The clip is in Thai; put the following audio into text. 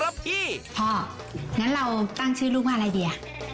พี่พ่องั้นเราตั้งชื่อลูกว่าอะไรดี